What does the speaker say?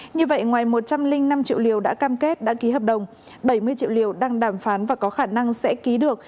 như vậy ngoài một trăm linh năm triệu liều đã cam kết đã ký hợp đồng bảy mươi triệu liều đang đàm phán và có khả năng sẽ ký được